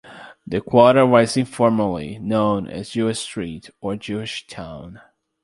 The quarter was informally known as "Jewish Street" or "Jewish Town".